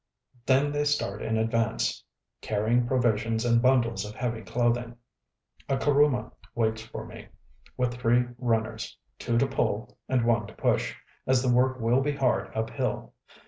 Then they start in advance, carrying provisions and bundles of heavy clothing.... A kuruma waits for me, with three runners, two to pull, and one to push, as the work will be hard uphill.